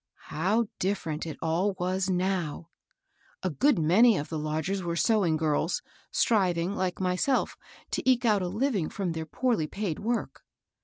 How different it all was now! A good many of the lodgers were sewing girls, stnving, like myself, to eke out a living from their poorly paid work.